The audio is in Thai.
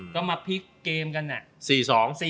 ก็มาพลิกเกมกันเนี่ย